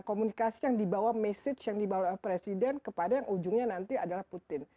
komunikasi yang dibawa message yang dibawa oleh presiden kepada yang ujungnya nanti adalah putin